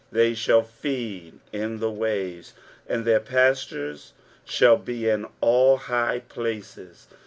They shall feed in the ways, and their pastures shall be in all high places.